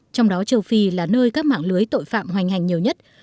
trong đó châu phi là nơi các mạng lưới tội phạm hoành hành nhiều nhất